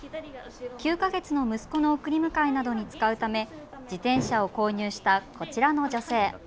９か月の息子の送り迎えなどに使うため自転車を購入したこちらの女性。